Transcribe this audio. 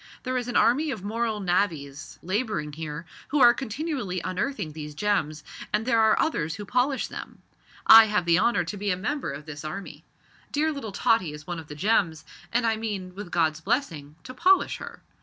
There is an army of moral navvies labouring here, who are continually unearthing these gems, and there are others who polish them. I have the honour to be a member of this army. Dear little Tottie is one of the gems, and I mean, with God's blessing, to polish her.